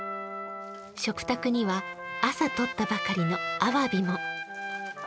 食卓には朝、取ったばかりのあわびも。